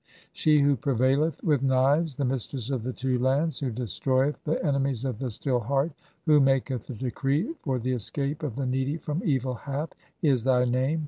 'She who prevaileth with knives, the mistress of the two "lands, who destroyeth the enemies of the Still Heart, who "maketh the decree for the escape of the needy from evil hap', "is thy name.